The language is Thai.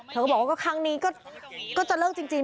เธอก็บอกว่าก็ครั้งนี้ก็จะเลิกจริง